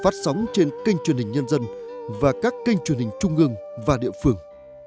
phát sóng trên kênh truyền hình nhân dân và các kênh truyền hình trung ương và địa phương